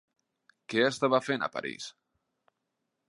Què estava fent a París?